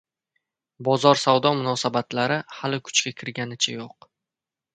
bozor-savdo munosabatlari hali kuchga kirganicha yo‘q.